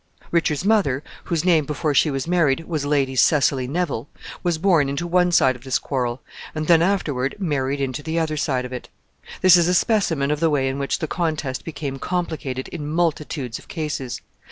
Richard's mother, whose name, before she was married, was Lady Cecily Neville, was born into one side of this quarrel, and then afterward married into the other side of it. This is a specimen of the way in which the contest became complicated in multitudes of cases.